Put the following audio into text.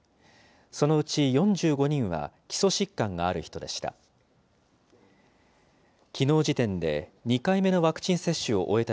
そのうち４５人は基礎疾患がある人でした。